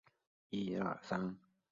续杯一杯免费